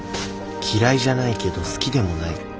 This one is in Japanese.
嫌いじゃないけど好きでもない。